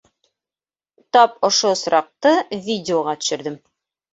Тап ошо осраҡты видеоға төшөрҙөм.